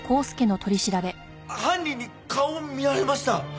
犯人に顔を見られました。